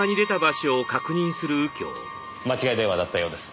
間違い電話だったようです。